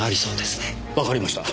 わかりました。